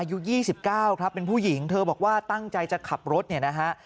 อายุ๒๙ครับเป็นผู้หญิงเธอบอกว่าตั้งใจจะขับรถเนี่ยนะฮะ